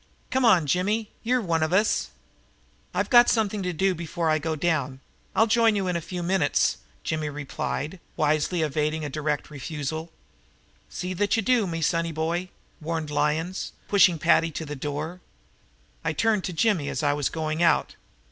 Come on, Jimmy, you're wan av us." "I've got something to do before I go down. I'll join you in a few minutes," Jimmy replied, wisely evading a direct refusal. "See that ye do, me sonny boy," warned Lyons, pushing Paddy to the door. I turned to Jimmy as I was going out.